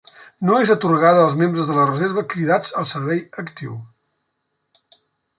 No és atorgada als membres de la reserva cridats al servei actiu.